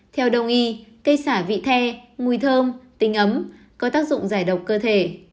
theo đồng y cây xả vị the mùi thơm tinh ấm có tác dụng giải độc cơ thể